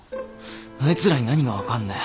あいつらに何が分かんだよ。